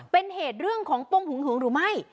เป็นเหตุเรื่องของปมหึงหวงหรือไม่